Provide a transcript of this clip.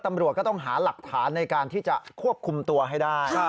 ตำรวจก็ต้องหาหลักฐานในการที่จะควบคุมตัวให้ได้